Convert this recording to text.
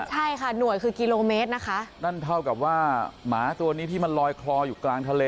ใช่ค่ะหน่วยคือกิโลเมตรนะคะนั่นเท่ากับว่าหมาตัวนี้ที่มันลอยคลออยู่กลางทะเล